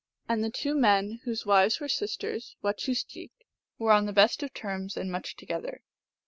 And the two men whose wives were sisters (wechoosjik), were on the best of terms and much together.